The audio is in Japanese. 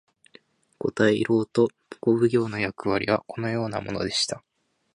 五大老と五奉行の役割はこのようなものでした。